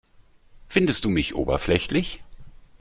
Findest du mich oberflächlich?